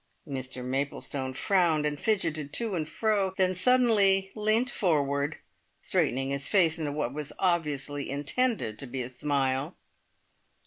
Mr Maplestone frowned, and fidgeted to and fro, then suddenly leant forward, straightening his face into what was obviously intended to be a smile.